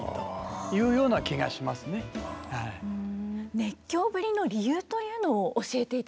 熱狂ぶりの理由というのを教えていただきたいんですけれども。